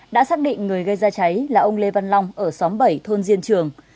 đã xác định người gây ra cháy là ông lê văn long ở xóm bảy thôn diên trường